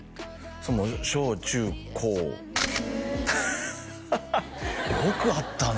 そうもう小中高よくあったな